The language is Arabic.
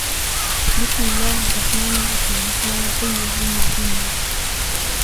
بِسْمِ اللَّهِ الرَّحْمَنِ الرَّحِيمِ يَا أَيُّهَا الْمُزَّمِّلُ